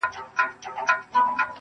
الوتني کوي.